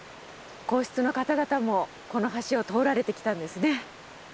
皇室の方々もこの橋を通られてきたんですね。